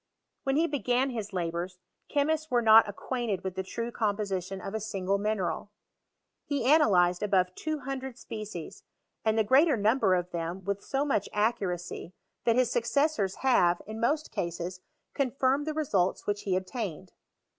When he began his labours, chemists were not acquainted with the true com position of a single mineral. He analyzed above 200 species, and the greater number of them with so much accuracy, that his suceesaora have, in most cases, confirmed the results which he obtained.